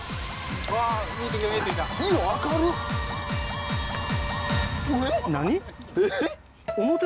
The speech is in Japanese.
わー、見えてきた、見えてき色、何？